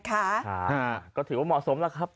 ค่ะก็ถือว่าเหมาะสมแล้วครับ